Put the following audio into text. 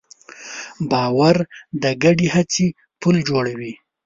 باور د ګډې هڅې پُل جوړوي.